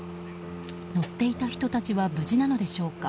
乗っていた人たちは無事なのでしょうか。